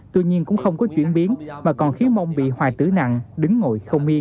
tuy nhiên cũng không có chuyển biến mà còn khiến mong bị hoài tử nặng đứng ngồi không yên